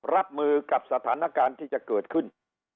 รับมือกับสถานการณ์ที่จะเกิดขึ้น